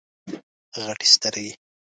غټي سترګي